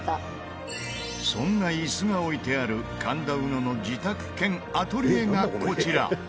そんな椅子が置いてある神田うのの自宅兼アトリエがこちら！